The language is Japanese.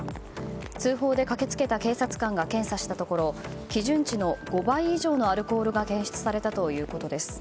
通報で駆け付けた警察官が検査したところ基準値の５倍以上のアルコールが検出されたということです。